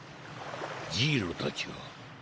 ジイロたちは？